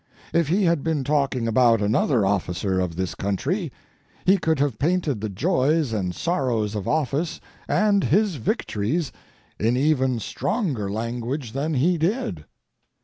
If he had been talking about another officer of this county, he could have painted the joys and sorrows of office and his victories in even stronger language than he did.